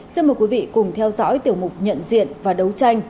xin mời quý vị cùng theo dõi tiểu mục nhận diện và đấu tranh